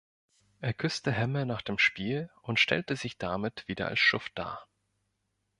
Er küsste Hemme nach dem Spiel und stellte sich damit wieder als Schuft dar.